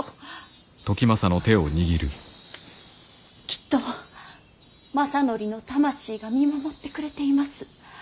きっと政範の魂が見守ってくれています。